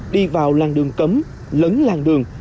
đi vào làng đường cấm lấn làng đường